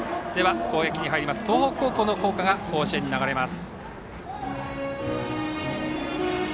攻撃に入ります東北高校の校歌が甲子園に流れます。